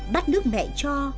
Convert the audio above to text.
bắt nước mẹ cho